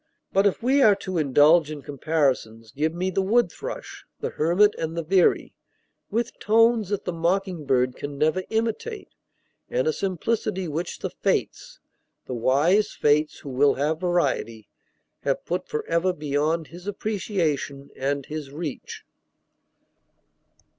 But if we are to indulge in comparisons, give me the wood thrush, the hermit, and the veery; with tones that the mocking bird can never imitate, and a simplicity which the Fates the wise Fates, who will have variety have put forever beyond his appreciation and his reach.